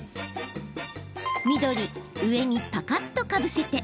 緑・上にパカっとかぶせて。